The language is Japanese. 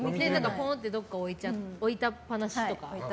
ポーンってどこかに置いたっぱなしとか。